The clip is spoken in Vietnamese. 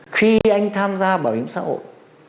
khi anh tham gia bảo hiểm xã hội